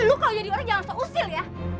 lu kalau jadi orang jangan seusil ya